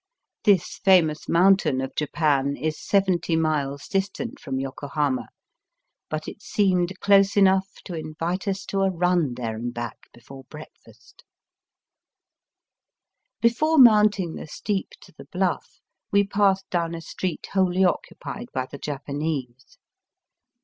This famous mountain of Digitized by VjOOQIC SOME JAPANESE TBAITS. 193 Japan is seventy miles distant from Yoko hama, but it seemed close enough to invite us to a run there and back before breakfast. Before mounting the steep to the Bluff we passed down a street wholly occupied by the Japanese.